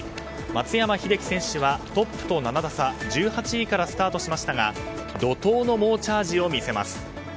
松山英樹選手はトップと７打差１８位からスタートしましたが怒涛の猛チャージを見せます。